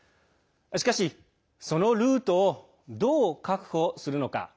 しかしそのルートをどう確保するのか。